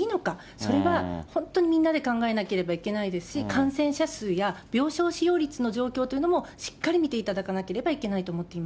それは、本当にみんなで考えなければいけないですし、感染者数や病床使用率の状況というのもしっかり見ていただかなけ